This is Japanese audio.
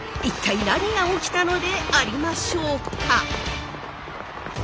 一体何が起きたのでありましょうか？